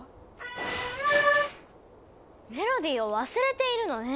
「パーア」メロディーを忘れているのね。